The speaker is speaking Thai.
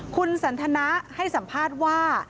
คุณสันทนะให้สัมภาษณ์ว่า